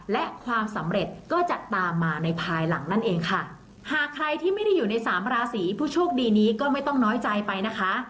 และความสำเร็จก็จะตามมาในภายหลังนั่นเองค่ะหากใครที่ไม่ได้อยู่ในสามราศีผู้โชคดีนี้ก็ไม่ต้องน้อยใจไปนะคะ